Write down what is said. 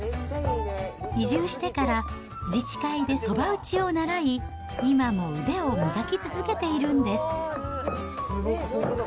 移住してから、自治会でそば打ちを習い、今も腕を磨き続けているんです。